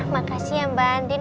makasih ya mbak andin